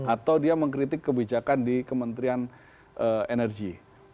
atau dia mengkritik kebijakan di kementerian energi